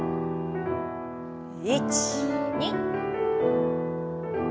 １２。